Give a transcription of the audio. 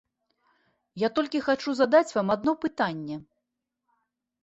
Я толькі хачу задаць вам адно пытанне.